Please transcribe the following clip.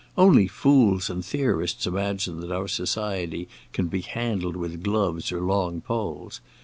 Only fools and theorists imagine that our society can be handled with gloves or long poles.